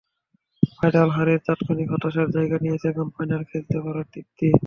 Final হারের তাৎক্ষণিক হতাশার জায়গা নিয়েছে এখন ফাইনাল খেলতে পারার তৃপ্তি।